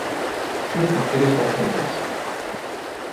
Sirkat sirisevät helteessä.